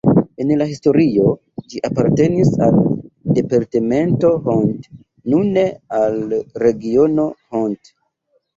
En la historio ĝi apartenis al departemento Hont, nune al regiono Hont.